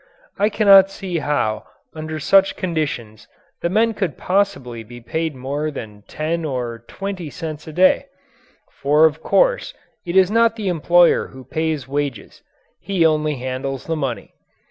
I cannot see how under such conditions the men could possibly be paid more than ten or twenty cents a day for of course it is not the employer who pays wages. He only handles the money.